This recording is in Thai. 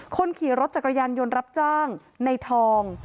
คนขี่รถจักรยานยนต์รับจ้างในทอง